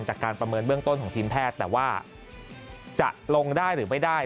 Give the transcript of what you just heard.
จากการประเมินเบื้องต้นของทีมแพทย์แต่ว่าจะลงได้หรือไม่ได้